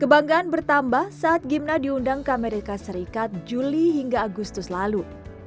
kebanggaan bertambah saat gimna diundang ke amerika serikat juli hingga agustus lalu